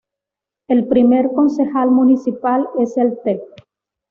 El primer concejal municipal es el Tec.